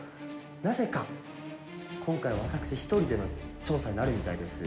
なぜか今回は私一人での調査になるみたいです。